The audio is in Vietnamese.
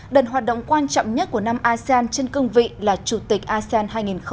đợt hoạt động quan trọng nhất của năm asean trên cương vị là chủ tịch asean hai nghìn hai mươi